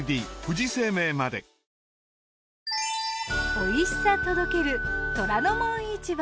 おいしさ届ける『虎ノ門市場』。